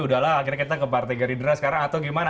udahlah akhirnya kita ke partai gerindra sekarang atau gimana